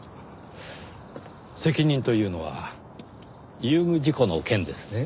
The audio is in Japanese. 責任というのは遊具事故の件ですね？